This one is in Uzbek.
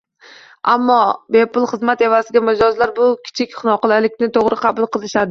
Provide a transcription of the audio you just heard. Ammo, bepul xizmat evaziga mijozlar bu kichik noqulaylikni to’g’ri qabul qilishadi